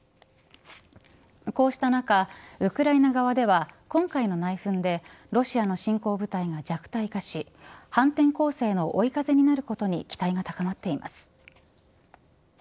こうした中ウクライナ側では今回の内紛でロシアの侵攻部隊が弱体化し反転攻勢の追い風になることに期待が高まっています。